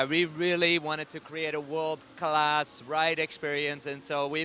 kita ingin membuat pengalaman yang berkelas dunia